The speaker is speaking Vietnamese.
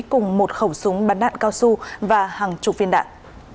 cùng một khẩu súng bắn đạn cao su và hàng chục viên đạn